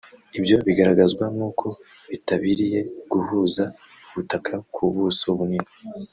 Ibyo bigaragazwa n’uko bitabiriye guhuza ubutaka ku buso bunini